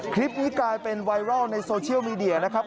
คลิปนี้กลายเป็นไวรัลในโซเชียลมีเดียนะครับ